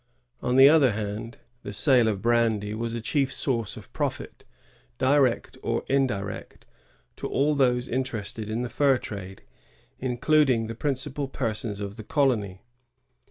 On the other hand, the sale of brandy was a chief source of profit, direct or indirect, to all those interested in the fur trade, including the principal persons of the colony.